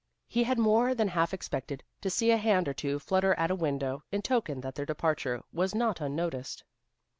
He had more than half expected to see a hand or two flutter at a window, in token that their departure was not unnoticed.